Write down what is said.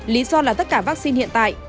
lý do là tất cả vaccine hiện tại